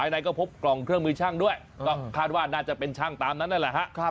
ในก็พบกล่องเครื่องมือช่างด้วยก็คาดว่าน่าจะเป็นช่างตามนั้นนั่นแหละฮะ